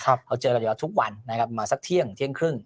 เราเจอกันทุกวันมาสักเที่ยงเที่ยงครึ่ง